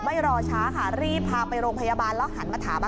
ตาตุตาตุตาตุตาตุตาตุตาตุตาตุตาตุ